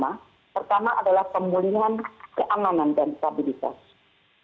yang kedua adalah pentingnya segera dipulihkan stabilitas dan keamanan